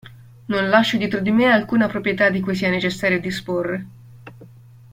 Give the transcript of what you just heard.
Non lascio dietro di me alcuna proprietà di cui sia necessario disporre.